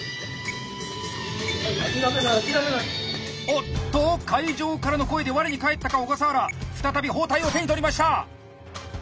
おっと会場からの声で我に返ったか小笠原再び包帯を手に取りました。